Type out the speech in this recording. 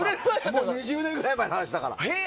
もう２０年ぐらい前の話だから。